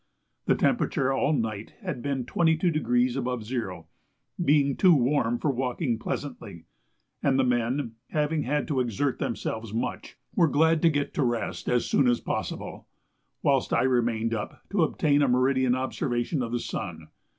The temperature all night had been 22° above zero, being too warm for walking pleasantly; and the men, having had to exert themselves much, were glad to get to rest as soon as possible, whilst I remained up to obtain a meridian observation of the sun.